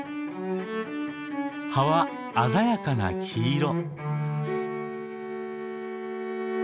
葉は鮮やかな黄色。